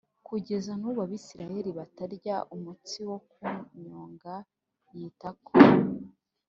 kugeza n ubu Abisirayeli batarya umutsi wo ku nyonga y itako